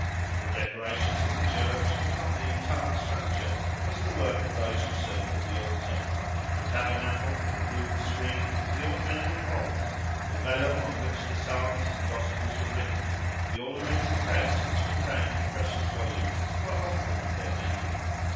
The decorations of the Church, if not the entire structure, was the work of those who served at the altar. The tabernacle, the rood screen, the ornamental font; the vellum on which the Psalms and Gospels were written; the ornamented case which contained the precious volume, were often of their making.